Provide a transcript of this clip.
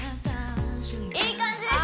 いい感じです